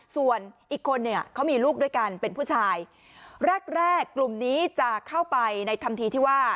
ส่วนอีกคนเนี่ยเขามีลูกด้วยกันเป็นผู้ชายแรกแรกกลุ่มนี้จะเข้าไปในทำทีที่ว่า